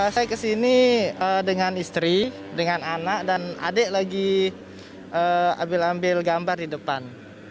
saya kesini dengan istri dengan anak dan adik lagi ambil ambil gambar di depan